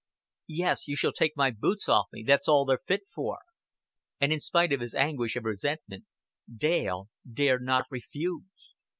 "Yes, you shall take my boots off for me. That's all you're fit for." And in spite of his anguish of resentment, Dale dared not refuse.